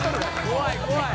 「怖い怖い！」